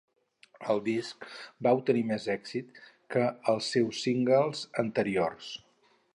El disc va obtenir més èxit que els seus singles anteriors.